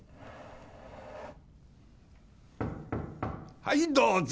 はいどうぞ。